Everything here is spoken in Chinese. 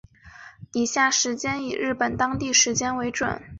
以下时间以日本当地时间为准